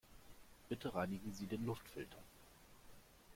Bitte reinigen Sie den Luftfilter.